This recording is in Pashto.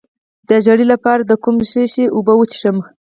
د ژیړي لپاره د کوم شي اوبه وڅښم؟